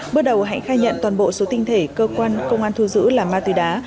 bước đầu hạnh khai nhận toàn bộ số tinh thể cơ quan công an thu giữ là ma túy đá